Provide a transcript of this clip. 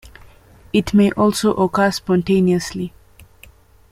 It may also occur spontaneously.